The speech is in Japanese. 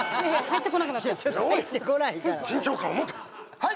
はい！